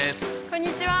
こんにちは！